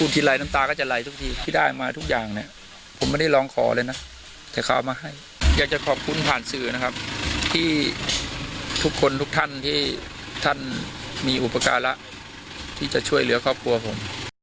ที่ทุกคนทุกท่านที่ท่านมีอุปการะที่จะช่วยเหลือครอบครัวผม